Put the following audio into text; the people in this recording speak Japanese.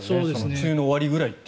梅雨の終わりくらい。